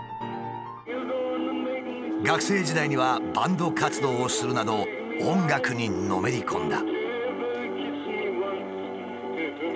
学生時代にはバンド活動をするなど音楽にのめり込んだ。